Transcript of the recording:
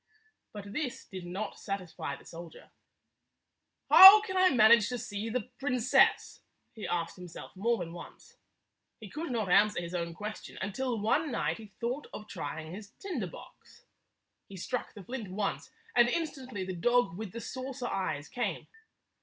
But this did not satisfy the soldier. " How can I manage to see the princess?" he asked himself more than once. He could not answer his own question until one night he thought of trying his tinder box. He struck the flint once, and instantly the dog with the saucer eyes came.